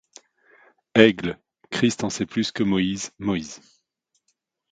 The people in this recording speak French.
Aigle, Christ en sait plus que Moïse, Moïse